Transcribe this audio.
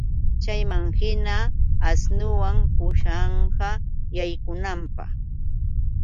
Chaywanhina asnuwan pushawaq yaykunanpaq